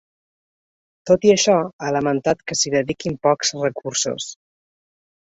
Tot i això, ha lamentat que s’hi dediquin pocs recursos.